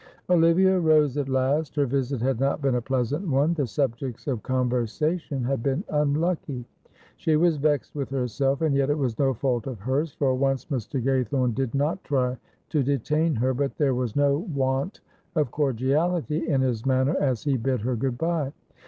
Olivia rose at last. Her visit had not been a pleasant one; the subjects of conversation had been unlucky. She was vexed with herself, and yet it was no fault of hers. For once Mr. Gaythorne did not try to detain her, but there was no want of cordiality in his manner as he bid her good bye.